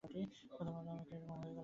প্রথম আলো আমরা এ রকম হয়ে গেলাম কেন?